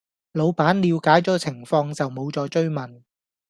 老闆了解左情況就無再追問